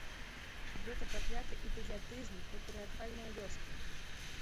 Гэта пракляты ідыятызм патрыярхальнае вёскі.